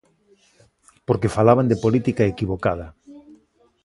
Porque falaban de política equivocada.